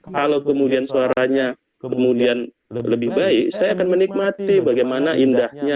kalau kemudian suaranya kemudian lebih baik saya akan menikmati bagaimana indahnya